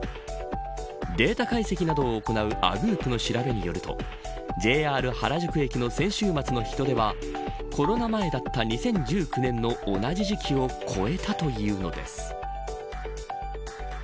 データ解析などを行うＡｇｏｏｐの調べによるとＪＲ原宿駅の先週末の人出はコロナ前だった２０１９年の同じ時期を越えたというのです。